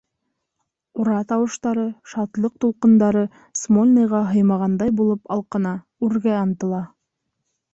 Ура тауыштары, шатлыҡ тулҡындары Смольныйға һыймағандай булып алҡына, үргә ынтыла.